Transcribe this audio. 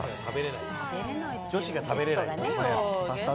女子が食べれない。